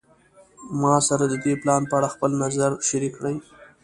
ما سره د دې پلان په اړه خپل نظر شریک کړی